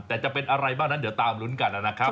แต่จะเป็นอะไรบ้างนั้นเดี๋ยวตามลุ้นกันนะครับ